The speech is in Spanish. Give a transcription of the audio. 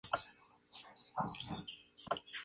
Su signo opuesto es Acuario.